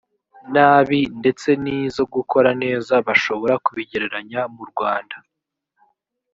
nabi ndetse n izo gukora neza bashobora kubigereranya mu rwanda